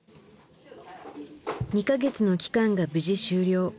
２か月の期間が無事終了。